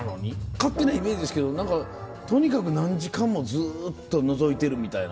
勝手なイメージですけど何かとにかく何時間もずっとのぞいてるみたいな。